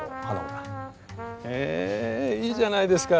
へえいいじゃないですか。